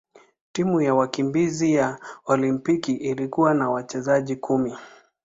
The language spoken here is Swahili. Timu ya wakimbizi ya Olimpiki ilikuwa na wachezaji kumi.